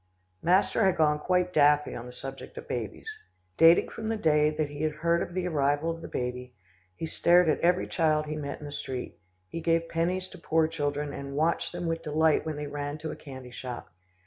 Master had gone quite daffy on the subject of babies. Dating from the day that he had heard of the arrival of the baby, he stared at every child he met in the street. He gave pennies to poor children, and watched them with delight when they ran to a candy shop.